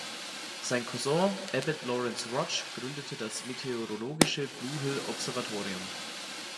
Sein Cousin Abbott Lawrence Rotch gründete das meteorologische Blue-Hill-Observatorium.